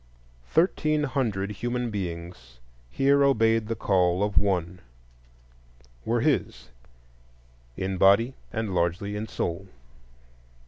Thirteen hundred human beings here obeyed the call of one,—were his in body, and largely in soul.